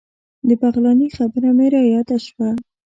د بغلاني خبره مې رایاده شوه.